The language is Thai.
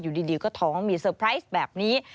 อยู่ดีก็ท้องมีเซอร์ไพรส์แบบนี้